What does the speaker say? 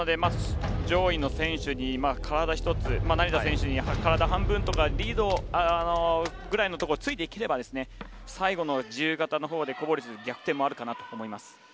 上位の選手に体１つ成田選手に体半分とかリードぐらいのところでついていければ、最後の自由形で小堀選手逆転もあるかと思います。